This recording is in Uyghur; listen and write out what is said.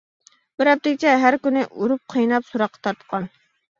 بىر ھەپتىگىچە ھەر كۈنى ئۇرۇپ قىيناپ، سوراققا تارتقان.